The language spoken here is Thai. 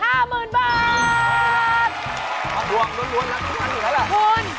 ต้องเงินสะสมไปแล้ว๕๐๐๐๐บาท